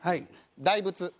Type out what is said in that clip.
大仏。